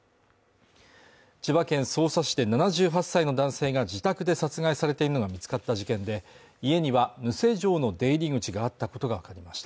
千葉県匝瑳市で７８歳の男性が自宅で殺害されているのが見つかった事件で家には無施錠の出入り口があったことが分かりました